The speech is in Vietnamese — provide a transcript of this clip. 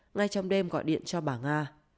ngay trong đêm gọi điện cho bà nga